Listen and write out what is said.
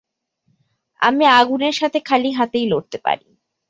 আমি আগুনের সাথে খালি হাতেই লড়তে পারি।